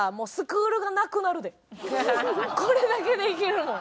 これだけでいけるもん。